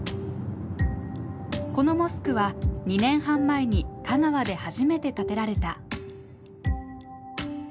このモスクは２年半前に香川で初めて建てられた。